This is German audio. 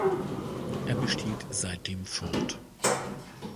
Er besteht seitdem fort.